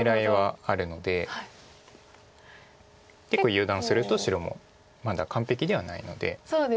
油断すると白もまだ完璧ではないので。